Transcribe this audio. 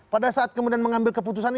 pada saat kemudian mengambil keputusan